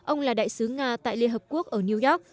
ông là đại sứ nga tại liên hợp quốc ở new york